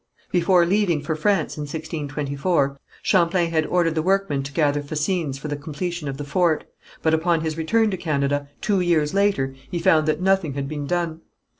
Before leaving for France in 1624, Champlain had ordered the workmen to gather fascines for the completion of the fort, but upon his return to Canada, two years later, he found that nothing had been done.